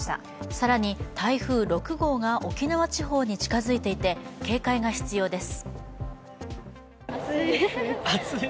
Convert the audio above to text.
更に台風６号が沖縄地方に近づいていて、警戒が必要です。